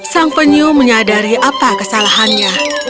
sang penyu menyadari apa kesalahannya